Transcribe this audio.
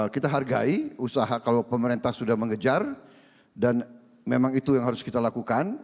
kita hargai usaha kalau pemerintah sudah mengejar dan memang itu yang harus kita lakukan